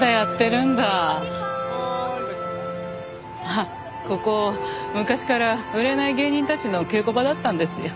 あっここ昔から売れない芸人たちの稽古場だったんですよ。